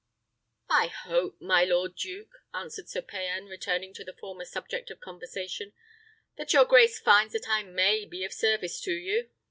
"I hope, my lord duke," answered Sir Payan, returning to the former subject of conversation, "that your grace finds that I may be of service to you."